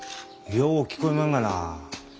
よう聞こえまんがな。